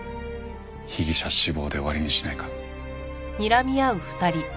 被疑者死亡で終わりにしないか？